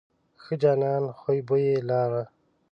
ښه جانانه خوی بوی یې لاره.